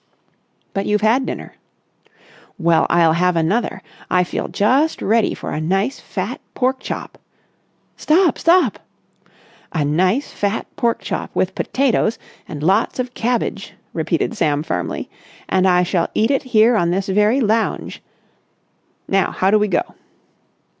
"But you've had dinner." "Well, I'll have another. I feel just ready for a nice fat pork chop...." "Stop! Stop!" "A nice fat pork chop with potatoes and lots of cabbage," repeated Sam firmly. "And I shall eat it here on this very lounge. Now how do we go?"